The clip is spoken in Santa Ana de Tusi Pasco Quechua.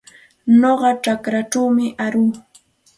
Nuqa chakraćhawmi aruu.